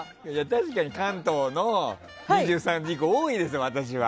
確かに関東の２３時以降が多いですよ、私は。